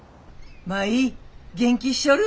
舞元気しちょる？